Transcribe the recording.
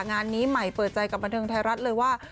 งานนี้ใหม่เปิดใจกับบันเทิงไทยรัฐเลยว่า